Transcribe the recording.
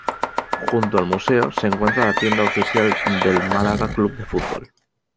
Junto al museo, se encuentra la tienda oficial del Málaga Club de Fútbol.